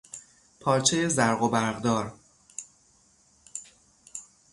پارچهی زرق و برقدار